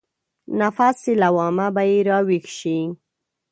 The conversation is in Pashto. نفس لوامه به يې راويښ شي.